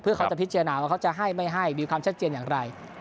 เพื่อเขาจะพิจารณาว่าเขาจะให้ไม่ให้มีความชัดเจนอย่างไร